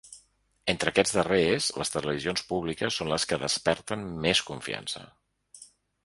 Entre aquests darrers, les televisions públiques són les que desperten més confiança.